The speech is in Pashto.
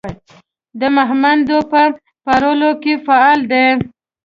د مهمندو په پارولو کې فعال دی.